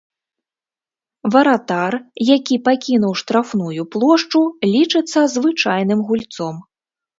Варатар, які пакінуў штрафную плошчу, лічыцца звычайным гульцом.